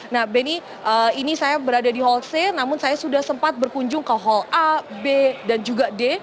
nah benny ini saya berada di hal c namun saya sudah sempat berkunjung ke hal a b dan juga d